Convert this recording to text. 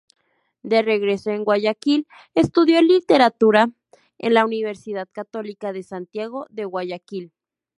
De regreso en Guayaquil estudió literatura en la Universidad Católica de Santiago de Guayaquil.